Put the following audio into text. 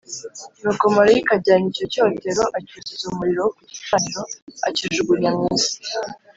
Nuko marayika ajyana icyo cyotero acyuzuza umuriro wo ku gicaniro akijugunya mu isi,